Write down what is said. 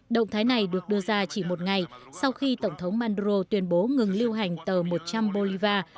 động thái này được đưa ra chỉ một ngày sau khi tổng thống mandro tuyên bố ngừng lưu hành tờ một trăm linh bolivar